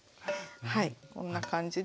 はいこんな感じで。